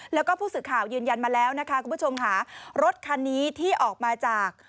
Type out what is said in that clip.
แล้วก็ผู้สื่อข่าวยืนยันมาแล้วนะคะคุณผู้ชมค่ะรถคันนี้ที่ออกมาจาก